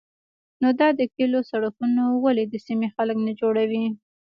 _نو دا د کليو سړکونه ولې د سيمې خلک نه جوړوي؟